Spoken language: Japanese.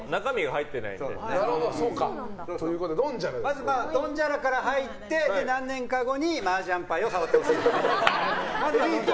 まず、ドンジャラから入って何年か後にマージャン牌を触ってほしいと。